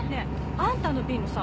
あんたの便のさ